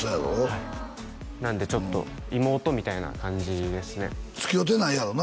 はいなんでちょっと妹みたいな感じですねつきおうてないやろな？